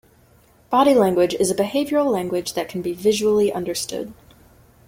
Body language is a behavioral language that can be visually understood.